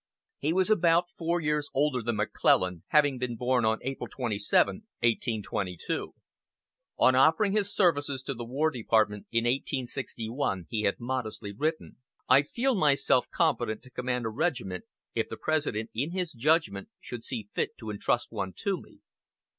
He was about four years older than McClellan, having been born on April 27, 1822. On offering his services to the War Department in 1861 he had modestly written: "I feel myself competent to command a regiment if the President in his judgment should see fit to intrust one to me."